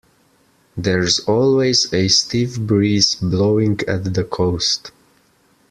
There's always a stiff breeze blowing at the coast.